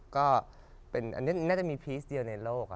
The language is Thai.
ก็เป็นอันนี้น่าจะมีพีชเดียวในโลก